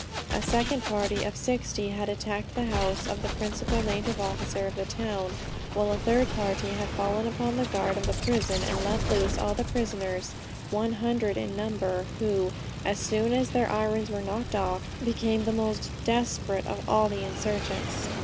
A second party of 60 had attacked the house of the principal native officer of the town, while a third party had fallen upon the guard of the prison, and let loose all the prisoners, one hundred in number, who, as soon as their irons were knocked off, became the most desperate of all the insurgents."